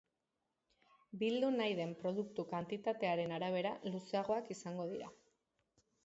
Bildu nahi den produktu kantitatearen arabera luzeagoak izango dira.